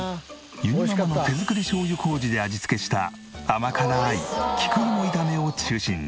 ゆにママの手作りしょうゆ麹で味付けした甘辛い菊芋炒めを中心に。